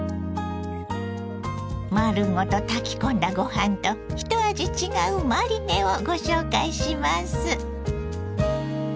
丸ごと炊き込んだご飯と一味違うマリネをご紹介します。